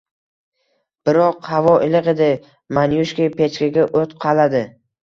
biroq havo iliq edi. Manyushka pechkaga oʻt qaladi.